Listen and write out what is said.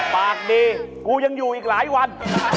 ปากดีกูยังอยู่อีกหลายวัน